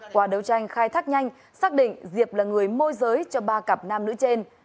qua đấu tranh khai thác nhanh xác định diệp là người môi giới cho ba cặp nam nữ trên